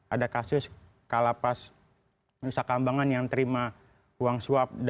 ada kasus kalapas menyusahkan bangan yang terima uang suap